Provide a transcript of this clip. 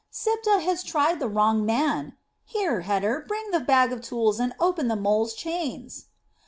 Siptah has tried the wrong man! Here, Heter, bring the bag of tools and open the moles' chains."